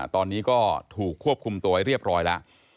ตอนนี้ก็ถูกควบคุมตัวไว้เรียบร้อยแล้ว